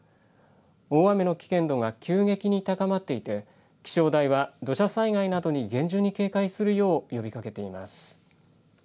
大雨の危険度が急激に高まっていて気象台は土砂災害などに厳重に警戒するよう呼びかけています。